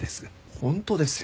本当ですよ。